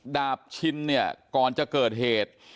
ดาบชินเนี่ยก่อนจะเกิดเหตุ